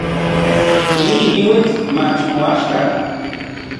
Nin chikiuitl mach moaxka.